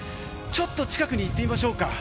ちょっと近くに行ってみましょうか。